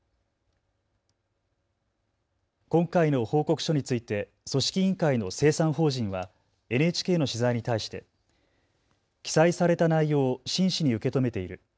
今回の報告書について組織委員会の清算法人はＮＨＫの取材に対して記載された内容を真摯に受け止めている。